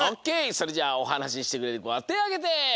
それじゃあおはなししてくれるこはてあげて。